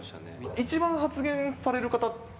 一番発言される方って。